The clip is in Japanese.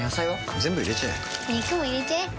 全部入れちゃえ肉も入れちゃえ